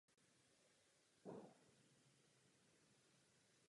Je to nezbytné pro fungování demokracie na evropské úrovni.